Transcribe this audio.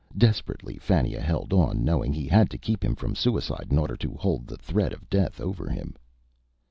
Desperately, Fannia held on, knowing he had to keep him from suicide in order to hold the threat of death over him.